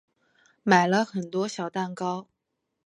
买了很多小蛋糕